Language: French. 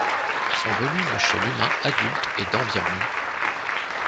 Son volume chez l'humain adulte est d'environ ±.